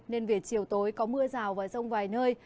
nên về chiều tối có mưa rào và rông vài nơi